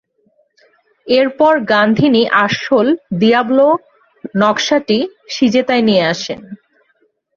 এরপর গান্ধিনি আসল দিয়াবলো নকশাটি সিজেতায় নিয়ে আসেন।